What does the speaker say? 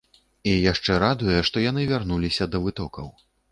І яшчэ радуе, што яны вярнуліся да вытокаў.